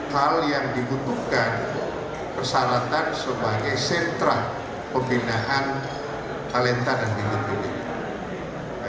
hal yang dibutuhkan persyaratan sebagai sentra pembinaan talenta dan pinggit